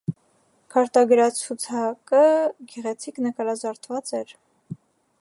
Քարտագրացուցակը գեղեցիկ նկարազարդված էր։